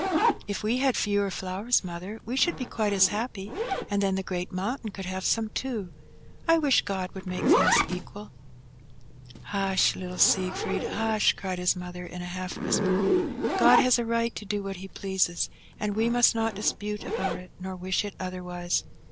"If we had fewer flowers, Mother, we should be quite as happy, and then the great mountain could have some too. I wish God would make things equal." "Hush, little Siegfried, hush!" cried his mother, in a half whisper; "God has a right to do what He pleases, and we must not dispute about it, nor wish it otherwise.